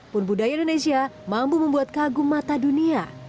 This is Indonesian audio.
pun budaya indonesia mampu membuat kagum mata dunia